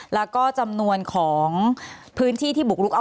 แล้วก็จำนวนของพื้นที่ที่บุกลุกเอา